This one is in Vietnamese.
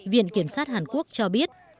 viện kiểm sát hàn quốc cho biết